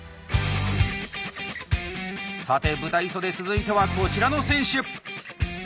さて舞台袖。続いてはこちらの選手。